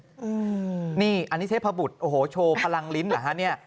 อันนี้เทพบุตรโชว์พลังลิ้นเหรอฮะเนี่ย